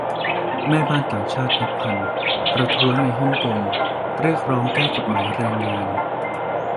แม่บ้านต่างชาตินับพันประท้วงในฮ่องกงเรียกร้องแก้ กฎหมายแรงงาน